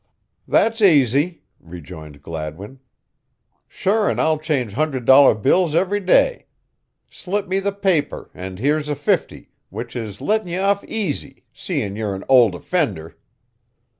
"That's aisy," rejoined Gladwin. "Sure'n I change hundred dollar bills ivry day. Slip me the paper an' here's a fifty, which is lettin' ye off aisy, seein' ye're an ould offinder."